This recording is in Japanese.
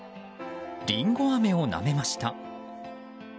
リンゴ飴をなめました。